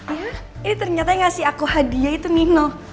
ini ternyata yang ngasih aku hadiah itu nino